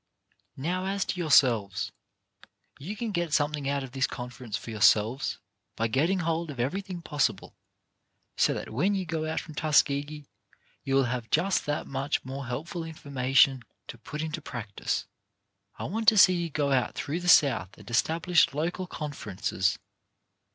Now as to yourselves. You can get something out of this Conference for yourselves, by getting 1 62 CHARACTER BUILDING hold of everything possible, so that when you go out from Tuskegee you will have just that much more helpful information to put into practice. I want to see you go out through the South and es tablish local conferences.